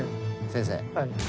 先生。